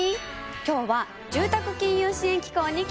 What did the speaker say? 今日は住宅金融支援機構に来ているの。